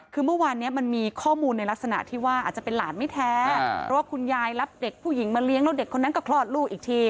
คือเมื่อวานนี้มันมีข้อมูลในลักษณะที่ว่าอาจจะเป็นหลานไม่แท้เพราะว่าคุณยายรับเด็กผู้หญิงมาเลี้ยงแล้วเด็กคนนั้นก็คลอดลูกอีกที